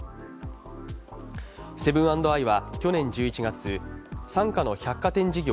セブン＆アイは去年１１月、傘下の百貨店事業